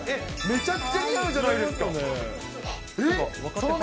めちゃくちゃ似合うじゃないですか。